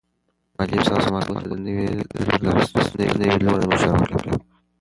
معلم صاحب ثمر ګل ته د نوي لور د اخیستلو مشوره ورکړه.